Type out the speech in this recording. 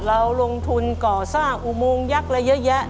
เราลงทุนก่อซากอุมูลยักษ์และเยอะแยะ